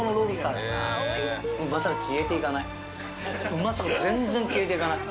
うまさが全然消えていかない。